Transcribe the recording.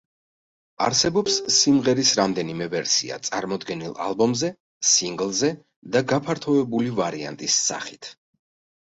არსებობს სიმღერის რამდენიმე ვერსია, წარმოდგენილი ალბომზე, სინგლზე და გაფართოებული ვარიანტის სახით.